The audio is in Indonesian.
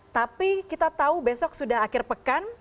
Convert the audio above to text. tapi kita tahu besok sudah akhir pekan